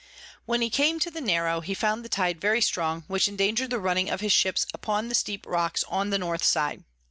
When he came to the Narrow, he found the Tide very strong, which endanger'd the running of his Ships upon the steep Rocks on the North side.